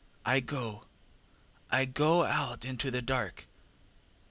I go I go out into the dark!